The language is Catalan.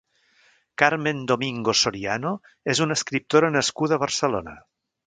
Carmen Domingo Soriano és una escriptora nascuda a Barcelona.